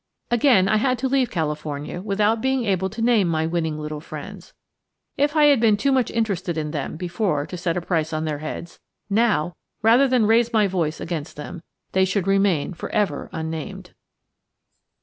Again I had to leave California without being able to name my winning little friends. If I had been too much interested in them before to set a price on their heads; now, rather than raise my voice against them, they should remain forever unnamed.